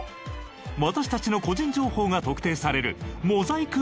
私たちの個人情報が特定されるモザイクアプローチとは？